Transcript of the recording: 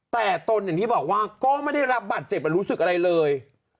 แต่ตนอย่างที่บอกว่าก็ไม่ได้รับบาดเจ็บหรือรู้สึกอะไรเลย